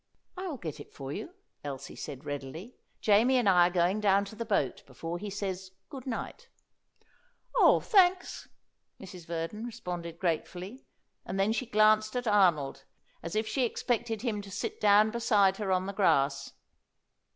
"I will get it for you," Elsie said readily. "Jamie and I are going down to the boat before he says 'Good night.'" "Oh, thanks!" Mrs. Verdon responded gratefully; and then she glanced at Arnold, as if she expected him to sit down beside her on the grass.